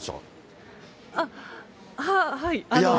あっ、はあ、はい。